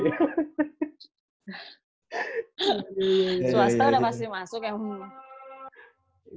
di swasta udah pasti masuk ya